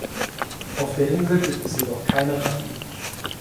Auf der Insel gibt es jedoch keine Ratten.